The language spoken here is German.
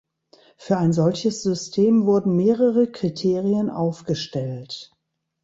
Für ein solches System wurden mehrere Kriterien aufgestellt.